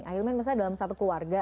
akhil mas dalam satu keluarga